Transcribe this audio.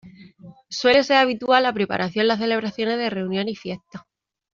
Suele ser habitual la preparación en las celebraciones de reuniones y fiestas.